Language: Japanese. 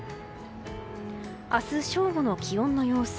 明日正午の気温の様子。